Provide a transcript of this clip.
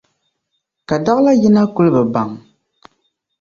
Ka daɣila yi na kul bi baŋ?